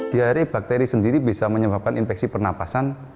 diare bakteri sendiri bisa menyebabkan infeksi pernapasan